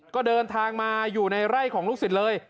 ก็เดินทางมาอยู่ในไร่ของลูกศิษย์เลย